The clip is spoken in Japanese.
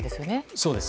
そうです。